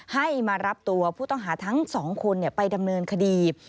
ให้มารับตัวผู้ต้องหาทั้งสองคนไปดำเนินคดี